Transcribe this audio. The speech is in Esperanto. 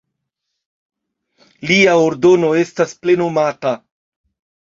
Lia ordono estas plenumata.